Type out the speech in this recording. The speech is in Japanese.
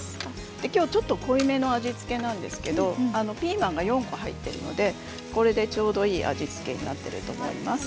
今日は濃いめの味付けなんですけどもピーマンが４個入ってるのでこれでちょうどいい味付けになっていると思います。